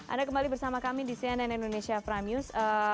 anda kembali bersama kami di cnn indonesia prime news